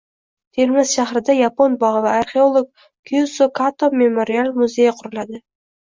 Termiz shahrida Yapon bog‘i va arxeolog Kyudzo Kato memorial muzeyi quriladi